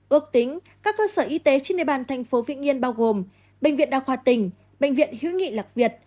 ước tính các cơ sở y tế trên nề bàn tp vĩnh yên bao gồm bệnh viện đa khoa tỉnh bệnh viện hiếu nghị lạc việt